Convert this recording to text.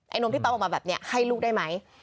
นมที่ปั๊มออกมาแบบนี้ให้ลูกได้ไหม